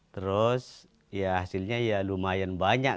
terus ya hasilnya ya lumayan banyak